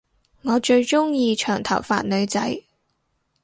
我最鐘意長頭髮女仔